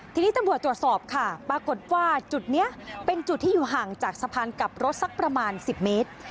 ทีนี้ตำรวจตรวจสอบค่ะปรากฏว่าจุดนี้เป็นจุดที่อยู่ห่างจากสะพานกลับรถสักประมาณ๑๐เมตร